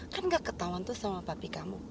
kan gak ketauan tuh sama papi kamu